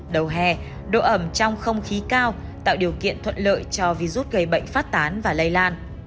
đầu hè độ ẩm trong không khí cao tạo điều kiện thuận lợi cho virus gây bệnh phát tán và lây lan